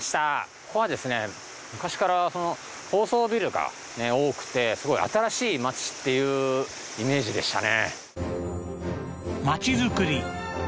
ここはですね昔からその高層ビルが多くてすごい新しいまちっていうイメージでしたね